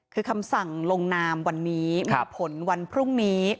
คือคำสั่งลงนามวันนี้มีผลวันพรุ่งนี้